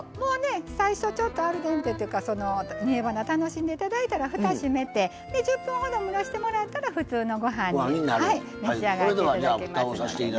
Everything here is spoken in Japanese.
最初ちょっとアルデンテというか煮えばなを楽しんでいただいてからふたを閉めて１０分ほど蒸らしてもらったら普通のご飯召し上がっていただけますのでね。